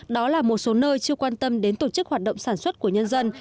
đó là một số nơi chưa quan tâm đến tổ chức hoạt động sản xuất của nhân dân